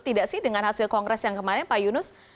tidak sih dengan hasil kongres yang kemarin pak yunus